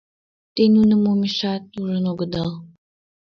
Те нуным омешат ужын огыдал...